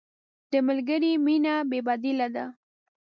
د ملګري مینه بې بدیله ده.